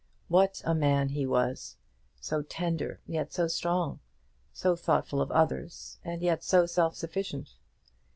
What a man he was; so tender, yet so strong; so thoughtful of others, and yet so self sufficient!